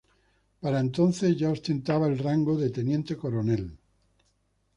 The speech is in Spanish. Para entonces ya ostentaba el rango de teniente coronel.